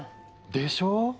でしょう？